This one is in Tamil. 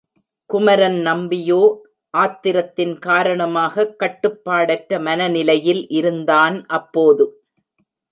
குமரன் நம்பியோ ஆத்திரத்தின் காரணமாகக் கட்டுப்பாடற்ற மனநிலையில் இருந்தான் அப்போது.